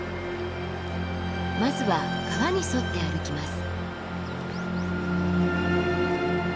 まずは川に沿って歩きます。